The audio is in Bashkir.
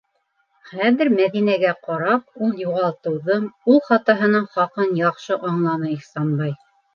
Хәҙер, Мәҙинәгә ҡарап, ул юғалтыуҙың, ул хатаһының хаҡын яҡшы аңланы Ихсанбай.